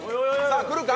来るか？